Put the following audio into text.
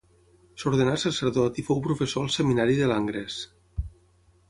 S'ordenà sacerdot i fou professor al seminari de Langres.